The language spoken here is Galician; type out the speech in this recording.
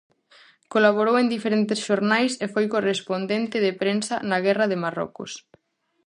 Colaborou en diferentes xornais e foi correspondente de prensa na guerra de Marrocos.